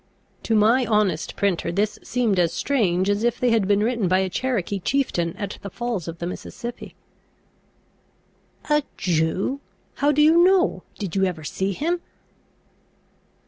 [To my honest printer this seemed as strange, as if they had been written by a Cherokee chieftain at the falls of the Mississippi.] "A Jew! How do you know? Did you ever see him?"